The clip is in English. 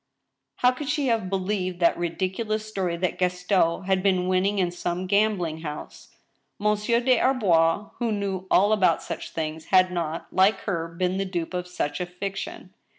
How could she have believed that ridiculous story that Gaston had been winning in some gambling house ? Monsieur des Arbois, who knew all about such things, had npt, like her, been the dupe of such a fiction.